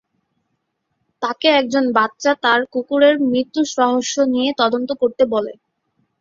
তাকে একজন বাচ্চা তার কুকুরের মৃত্যু রহস্য নিয়ে তদন্ত করতে বলে।